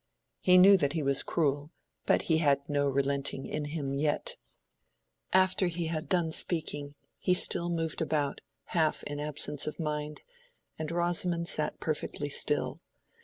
He knew that he was cruel, but he had no relenting in him yet. After he had done speaking, he still moved about, half in absence of mind, and Rosamond sat perfectly still.